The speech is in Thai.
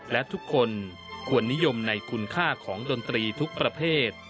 และทุกคนควรนิยมในคุณค่าของดนตรีทุกประเภท